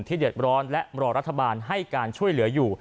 เดือดร้อนและรอรัฐบาลให้การช่วยเหลืออยู่